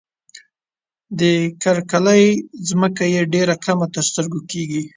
د کرکيلې ځمکه یې ډېره کمه تر سترګو کيږي.